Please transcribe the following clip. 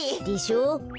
でしょ？